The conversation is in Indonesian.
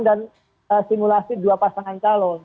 dan simulasi dua pasangan calon